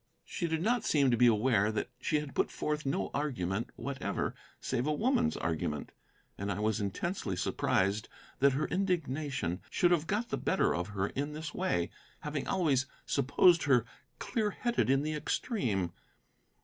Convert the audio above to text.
She did not seem to be aware that she had put forth no argument whatever, save a woman's argument. And I was intensely surprised that her indignation should have got the better of her in this way, having always supposed her clear headed in the extreme.